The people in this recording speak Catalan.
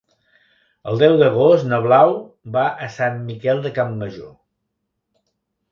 El deu d'agost na Blau va a Sant Miquel de Campmajor.